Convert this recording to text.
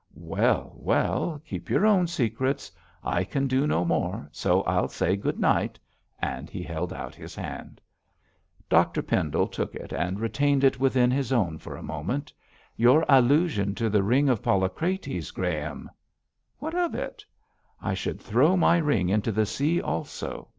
'Well! well! keep your own secrets. I can do no more, so I'll say good night,' and he held out his hand. Dr Pendle took it and retained it within his own for a moment. 'Your allusion to the ring of Polycrates, Graham!' 'What of it?' 'I should throw my ring into the sea also.